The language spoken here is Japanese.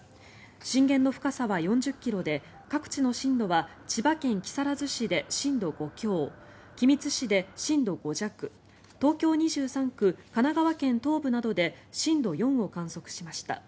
震源の深さは４０ｋｍで各地の震度は千葉県木更津市で震度５強君津市で震度５弱東京２３区、神奈川県東部などで震度４を観測しました。